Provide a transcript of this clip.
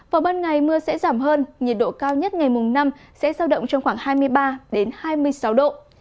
vào ban ngày mưa sẽ giảm hơn nhiệt độ cao nhất ngày mùng năm sẽ giao động trong khoảng hai mươi ba hai mươi sáu độ